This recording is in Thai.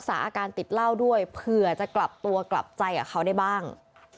อาการติดเหล้าด้วยเผื่อจะกลับตัวกลับใจกับเขาได้บ้าง